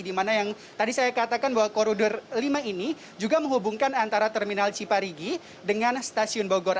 di mana yang tadi saya katakan bahwa koridor lima ini juga menghubungkan antara terminal ciparigi dengan stasiun bogor